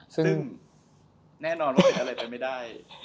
ซึ่งแน่นอนใช้อะไรไปไม่ได้